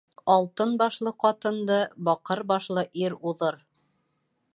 Алтын башлы ҡатынды баҡыр башлы ир уҙыр.